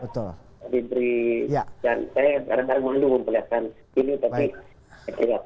saya sangat malu memperlihatkan ini